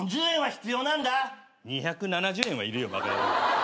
２７０円は要るよバカヤロー。